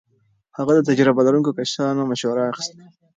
هغه د تجربه لرونکو کسانو مشوره اخيسته.